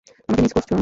আমাকে মিস করেছো?